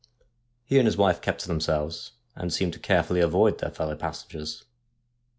He and his wife kept to themselves, and seemed to carefully avoid their fellow passengers.